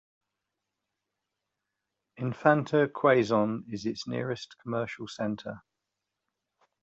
Infanta, Quezon is its nearest commercial center.